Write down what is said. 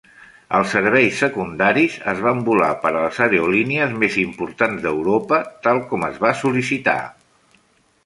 Els serveis secundaris es van volar per a les aerolínies més importants d"Europa tal com es va sol·licitar.